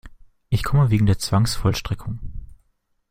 Ich komme wegen der Zwangsvollstreckung.